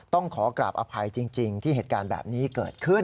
ต้องขอกราบอภัยจริงที่เหตุการณ์แบบนี้เกิดขึ้น